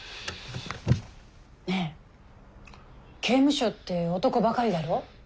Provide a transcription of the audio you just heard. ねえ刑務所って男ばかりだろ？